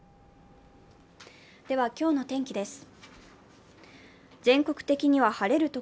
今日の天気です。